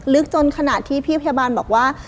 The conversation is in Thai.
ลึกจนขนาดที่พี่พยาบาลบอกว่า